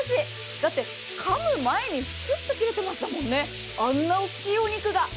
だって、かむ前にシュっと切れてましたもんね、あんな大きいお肉が。